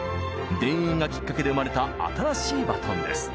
「田園」がきっかけで生まれた新しいバトンです。